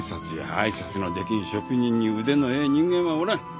あいさつの出来ん職人に腕のええ人間はおらん！